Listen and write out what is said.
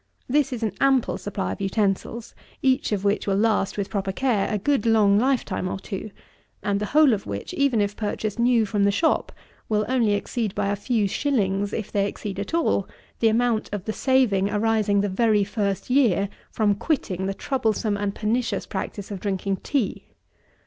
This is an ample supply of utensils, each of which will last, with proper care, a good long lifetime or two, and the whole of which, even if purchased new from the shop, will only exceed by a few shillings, if they exceed at all, the amount of the saving, arising the very first year, from quitting the troublesome and pernicious practice of drinking tea.